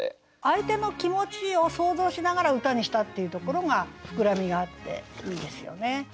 相手の気持ちを想像しながら歌にしたっていうところが膨らみがあっていいですよね。